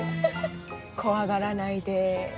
「怖がらないで。